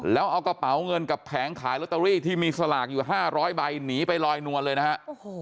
แล้วเอากระเป๋าเงินกับแผงขายลอตเตอรี่ที่มีสลากอยู่๕๐๐ใบหนีไปลอยนวลเลยนะฮะ